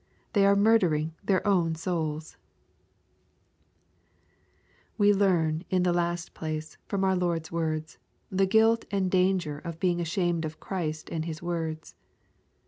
They are murdering their own souls ! We learn, in the last place, from our Lord's words, the guilt and danger of being ashamed of Christ and His words.